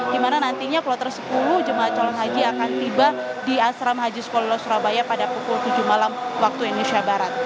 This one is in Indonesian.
di mana nantinya kloter sepuluh jemaah calon haji akan tiba di asrama haji sukolilo surabaya pada pukul tujuh malam waktu indonesia barat